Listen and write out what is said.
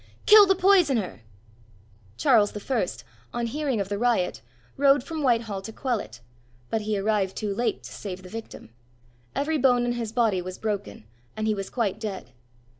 kill the poisoner!" Charles I., on hearing of the riot, rode from Whitehall to quell it; but he arrived too late to save the victim. Every bone in his body was broken, and he was quite dead.